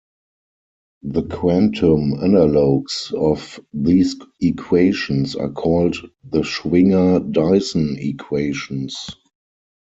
The quantum analogues of these equations are called the Schwinger-Dyson equations.